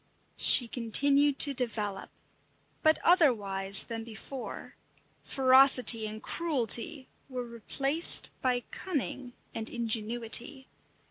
She continued to develop, but otherwise than before; ferocity and cruelty were replaced by cunning and ingenuity.